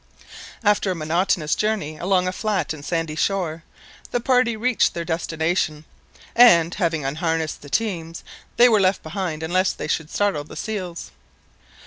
After a monotonous journey along a flat and sandy shore, the party reached their destination, and, having unharnessed the teams, they were left behind lest they should startle the seals.